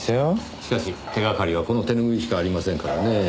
しかし手がかりはこの手ぬぐいしかありませんからねぇ。